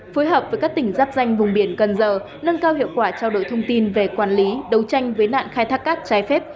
phối hợp với các tỉnh giáp danh vùng biển cần giờ nâng cao hiệu quả trao đổi thông tin về quản lý đấu tranh với nạn khai thác cát trái phép